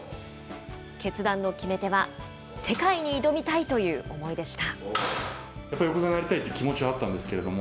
決断の決め手は、世界に挑みたいという思いでした。